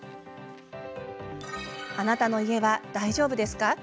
あなたの家は大丈夫ですか？